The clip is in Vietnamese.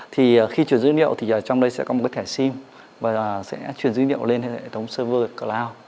thì khi chuyển dữ liệu thì trong đây sẽ có một cái thẻ sim và sẽ chuyển dữ liệu lên hệ thống server cloud